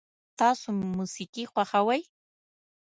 تاسو موسیقي خوښوئ؟